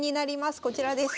こちらです。